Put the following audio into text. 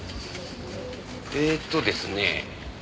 えーっとですね。